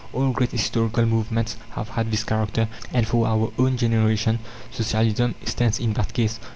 All great historical movements have had this character, and for our own generation Socialism stands in that case.